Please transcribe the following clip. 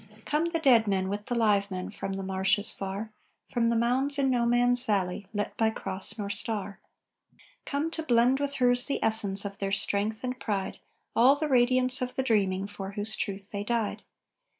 "Come the dead men with the live men From the marshes far, From the mounds in no man's valley, Lit by cross nor star. "Come to blend with hers the essence Of their strength and pride, All the radiance of the dreaming For whose truth they died."